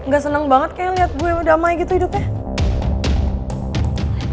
gak seneng banget kayaknya liat gue damai gitu hidupnya